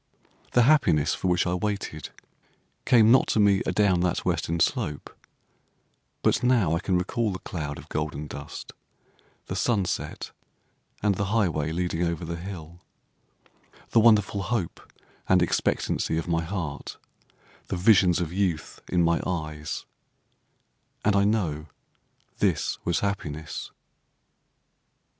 The happiness for which I waited came not to me adown that western slope, But now I can recall the cloud of golden dust, the sunset, and the highway leading over the hill, The wonderful hope and expectancy of my heart, the visions of youth in my eyes; and I know this was happiness.